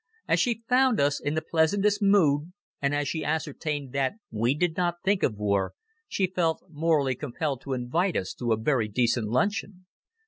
As she found us in the pleasantest mood and as she ascertained that we did not think of war, she felt morally compelled to invite us to a very decent luncheon.